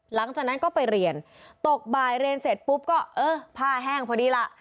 หลังจากนั้นก็ไปเรียนตกบ่ายเรียนเสร็จปุ๊บก็เออผ้าแห้งพอดีล่ะ